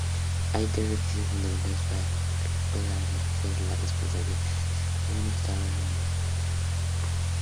Hay tres requisitos fundamentales para que pueda nacer la responsabilidad de un Estado miembro.